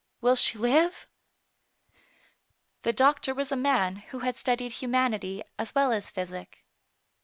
will she live ?" The doctor was a man who had studied hu manity as well as physic.